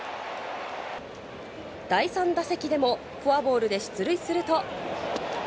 第３打席でもフォアボールで出塁すると。